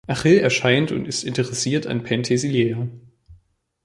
Achill erscheint und ist interessiert an Penthesilea.